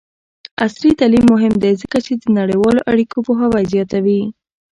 عصري تعلیم مهم دی ځکه چې د نړیوالو اړیکو پوهاوی زیاتوي.